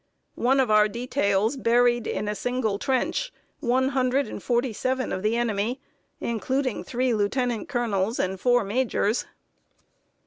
One of our details buried in a single trench one hundred and forty seven of the enemy, including three lieutenant colonels and four majors.